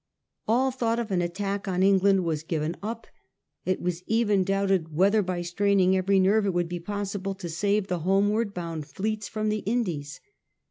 All thought of an attack on England was given up. It was even doubted whether by straining every nerve it would be possible to save the homeward bound fleets from the Indies.